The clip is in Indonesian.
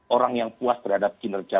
orang yang puas terhadap kinerja